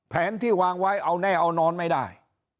แผนที่วางไว้เอาแน่เอานอนไม่ได้